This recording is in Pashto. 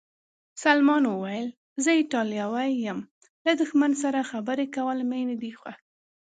سلمان وویل: زه ایټالوی یم، له دښمن سره خبرې کول مې نه دي خوښ.